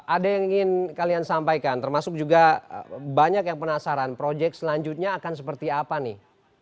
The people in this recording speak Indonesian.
ada yang ingin kalian sampaikan termasuk juga banyak yang penasaran projek selanjutnya akan seperti apa nih